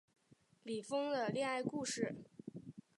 李锋的恋爱故事